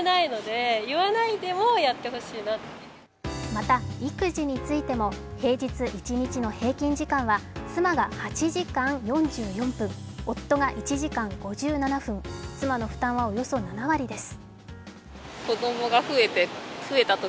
また育児についても、平日一日の平均時間は妻が８時間４４分、夫が１慈顔５７分妻の負担はおよそ７割です。